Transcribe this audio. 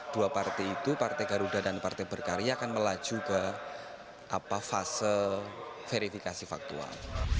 dua partai itu partai garuda dan partai berkarya akan melaju ke fase verifikasi faktual